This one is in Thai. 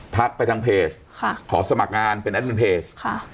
ทักไปทางเพจขอสมัครงานเป็นแอดเติมเพจ